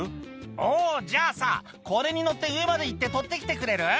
「おうじゃあさこれに乗って上まで行って取って来てくれる？」